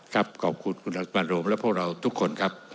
ขอบคุณคุณรัฐบาลโรมและพวกเราทุกคนครับ